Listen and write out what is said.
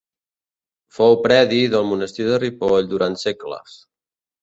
Fou predi del monestir de Ripoll durant segles.